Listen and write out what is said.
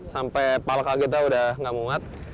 sampai palka kita udah gak muat